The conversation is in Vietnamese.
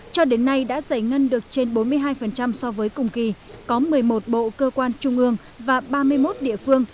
cho đến nay đã giải ngân được trên bốn mươi hai so với cùng kỳ có một mươi một bộ cơ quan trung ương và ba mươi một địa phương